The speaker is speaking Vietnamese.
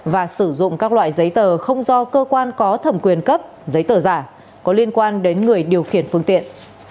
và sử dụng các loại giấy tờ không do cơ quan có thẩm quyền cấp giấy tờ giả có liên quan đến người điều khiển phương tiện